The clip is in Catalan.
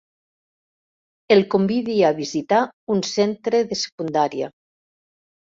El convidi a visitar un centre de secundària.